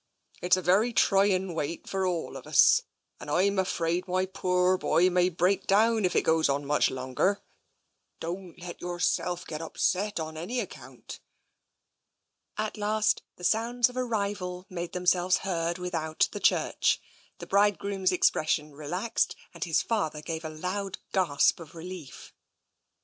It's a very trying wait for all of us, and I'm afraid my poorr boy may break down if it goes on much longer. Don't let yourself get upset on any account." At last the sounds of arrival made themselves heard without the church, the bridegroom's expression re laxed, and his father gave a loud gasp of relief.